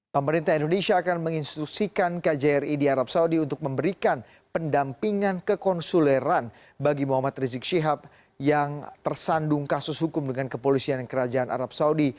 pemerintah indonesia akan menginstruksikan kjri di arab saudi untuk memberikan pendampingan kekonsuleran bagi muhammad rizik syihab yang tersandung kasus hukum dengan kepolisian kerajaan arab saudi